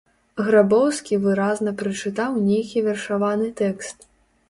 Грабоўскі выразна прачытаў нейкі вершаваны тэкст.